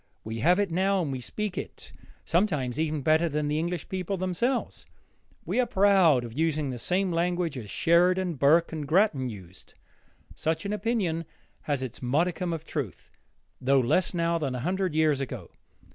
We have it now and we speak it, sometimes, even better than the English people themselves. We are proud of using the same language as Sheridan, Burke, and Grattan used. Such an opinion has its modicum of truth, though less now than a hundred years ago.